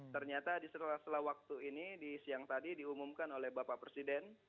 ternyata di setelah setelah waktu ini di siang tadi diumumkan oleh bapak presiden